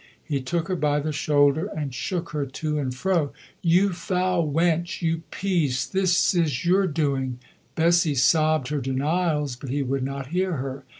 He took her by the shoulder and shook her to and fro. "You foul wench, you piece, this is your doing." Bessie sobbed her denials, but he would not hear her.